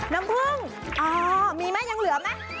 น้ำผึ้งอ๋อมีมั้ยยังเหลือมั้ย